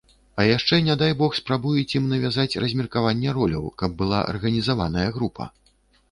А яшчэ не дай бог спрабуюць ім навязаць размеркаванне роляў, каб была арганізаваная група.